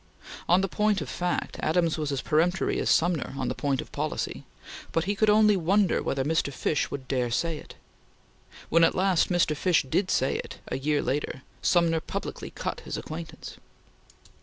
On the point of fact, Adams was as peremptory as Sumner on the point of policy, but he could only wonder whether Mr. Fish would dare say it. When at last Mr. Fish did say it, a year later, Sumner publicly cut his acquaintance.